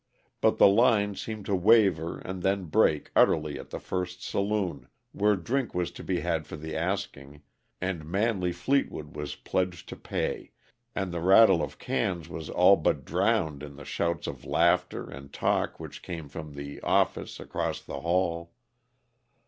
But the lines seemed to waver and then break utterly at the first saloon, where drink was to be had for the asking and Manley Fleetwood was pledged to pay, and the rattle of cans was all but drowned in the shouts of laughter and talk which came from the "office," across the hall.